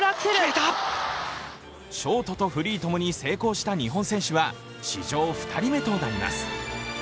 ショートとフリー共に成功した日本選手は史上２人目となります。